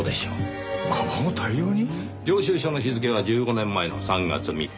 領収書の日付は１５年前の３月３日。